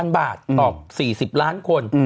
๐บาทต่อ๔๐ล้านคน